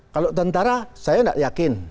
kalau tentara saya tidak yakin